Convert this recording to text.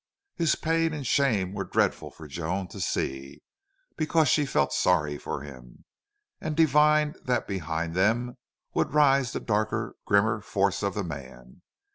His pain and shame were dreadful for Joan to see, because she felt sorry for him, and divined that behind them would rise the darker, grimmer force of the man.